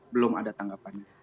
belum ada tanggapannya